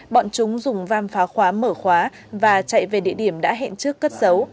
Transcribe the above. bọn chúng dùng vam phá khóa mở khóa và chạy về địa điểm đã hẹn trước cất dấu